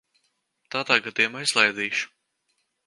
Tādā gadījumā izlaidīšu.